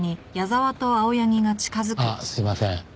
ああすいません。